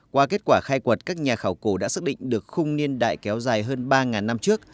qua kết quả khai quật các nhà khảo cổ đã xác định được khung niên đại kéo dài hơn ba năm trước